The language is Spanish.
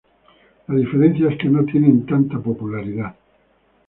La diferencia es que no tienen tanta popularidad.